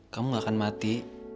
kamu gak akan mati